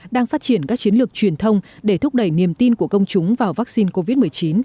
đang phát triển các chiến lược truyền thông để thúc đẩy niềm tin của công chúng vào vaccine covid một mươi chín